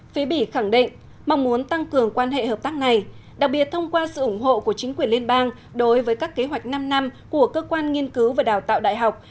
phía bỉ khẳng định mong muốn tăng cường quan hệ hợp tác này đặc biệt thông qua sự ủng hộ của chính quyền liên bang đối với các kế hoạch năm năm của cơ quan nghiên cứu và đào tạo đại học